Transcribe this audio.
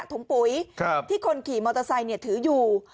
ถุงปุ๋ยที่คนขี่มอเตอร์ไซค์ถืออยู่